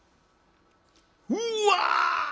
うわ！